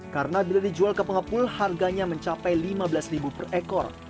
karena bila dijual ke pengepul harganya mencapai lima belas ribu per ekor